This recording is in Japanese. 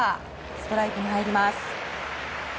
ストライクが入ります。